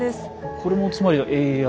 これもつまりＡＩ。